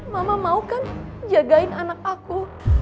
mama mau kan jagain anak aku